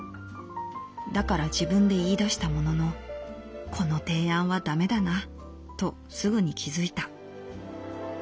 だから自分で言い出したもののこの提案は駄目だなとすぐに気づいた」。